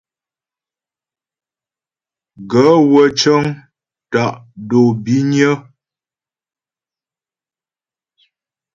Gaə̂ wə́ cə́ŋ tá' dǒ bínyə́.